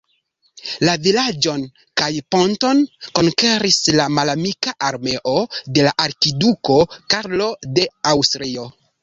La vilaĝon kaj ponton konkeris la malamika armeo de la arkiduko Karlo de Aŭstrio.